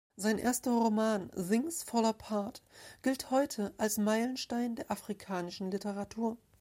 Sein erster Roman "Things Fall Apart" gilt heute als Meilenstein der afrikanischen Literatur.